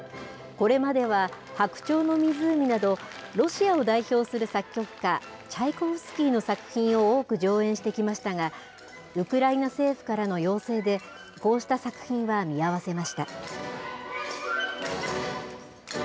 これまでは白鳥の湖など、ロシアを代表する作曲家、チャイコフスキーの作品を多く上演してきましたが、ウクライナ政府からの要請で、こうした作品は見合わせました。